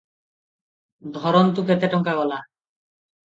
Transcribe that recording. ଧରନ୍ତୁ କେତେ ଟଙ୍କା ଗଲା ।